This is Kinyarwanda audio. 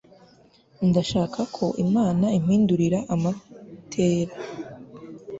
ndashaka ko imana impindurira amatela